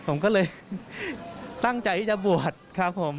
ผมก็เลยตั้งใจที่จะบวชครับผม